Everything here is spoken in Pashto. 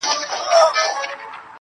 دواړه لاسه يې کړل لپه_